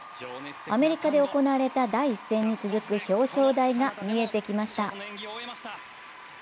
アメリカで行われた第１戦に続く表彰台が見えてきました。